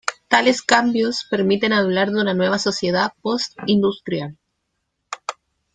Tales cambios permiten hablar de una nueva sociedad postindustrial.